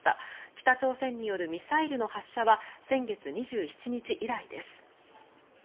北朝鮮によるミサイルの発射は先月２７日以来です。